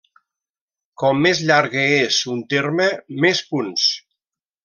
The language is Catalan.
Com més llarga és un terme, més punts.